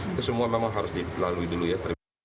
itu semua memang harus dilalui dulu ya